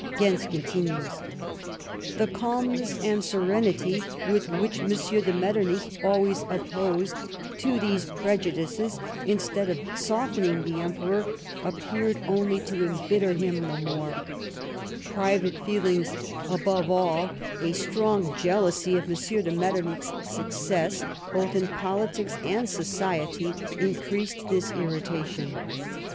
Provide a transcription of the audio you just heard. Gentz continues :" The calmness and serenity with which M. de Metternich always opposed to these prejudices, instead of softening the Emperor, appeared only to embitter him the more ; private feelings, above all a K 2 132 LIFE OF PBINCE METTEBNICE. strong jealousy of i\I. do Jletternicli's success, both in politics and society, increased this irritation.